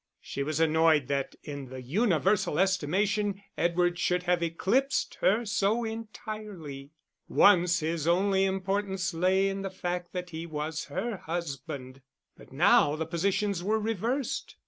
She was annoyed that in the universal estimation Edward should have eclipsed her so entirely: once his only importance lay in the fact that he was her husband, but now the positions were reversed.